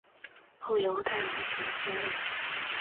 后由戴仁行接任。